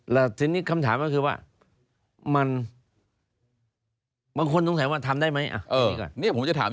แล้วทีนี้คำถามก็คือว่ามันบางคนสงสัยว่าทำได้ไหม